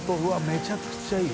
めちゃくちゃいい。